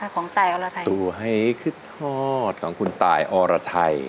ของตายออระไทยตัวให้ขึ้นทอดของคุณตายออระไทย